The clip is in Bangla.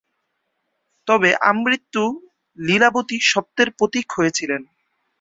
তবে আমৃত্যু লীলাবতী সত্যের প্রতীক হয়ে ছিলেন।